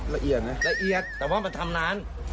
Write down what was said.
ละเอียดนะละเอียดแต่ว่ามันทำนาน